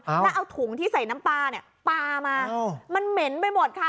แล้วเอาถุงที่ใส่น้ำปลาเนี่ยปลามามันเหม็นไปหมดค่ะ